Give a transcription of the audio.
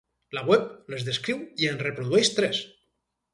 La web les descriu i en reprodueix tres.